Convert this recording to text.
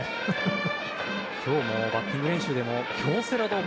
今日もバッティング練習でも京セラドーム